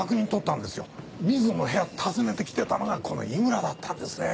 水野の部屋訪ねて来てたのがこの井村だったんですねえ。